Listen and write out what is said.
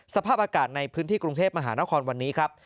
สภาพอากาศในพื้นที่กรุงเทพมหานครวันนี้ครับ